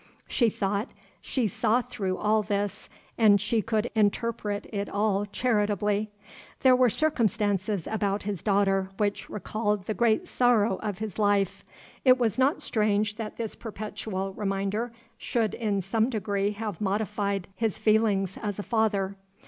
She thought she saw through all this, and she could interpret it all charitably. There were circumstances about his daughter which recalled the great sorrow of his life; it was not strange that this perpetual reminder should in some degree have modified his feelings as a father.